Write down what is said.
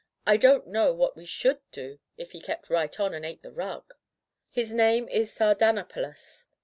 I don't know what we should do if he kept right on and ate the rug. His name is Sardanapalus.'